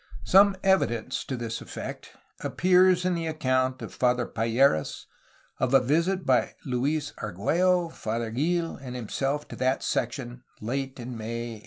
Some evidence to this effect appears in the account of Father Payeras of a visit by Luis Argtiello, Father Gil, and himself to that section late in May 1819.